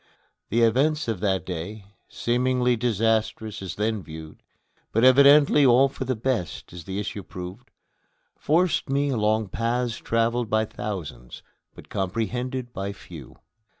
The events of that day, seemingly disastrous as then viewed, but evidently all for the best as the issue proved, forced me along paths traveled by thousands, but comprehended by few.